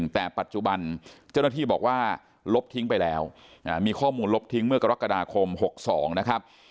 แต่ปัจจุบันเจ้าหน้าที่บอกว่าลบทิ้งไปแล้วมีข้อมูลลบทิ้งเมื่อกรกฎาคม๖๒นะครับ